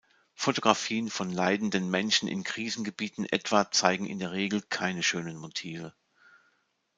Fotografien von leidenden Menschen in Krisengebieten etwa zeigen in der Regel keine „schönen“ Motive.